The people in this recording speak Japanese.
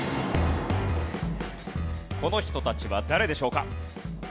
この人たちは誰でしょうか？